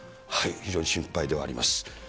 非常に心配ではあります。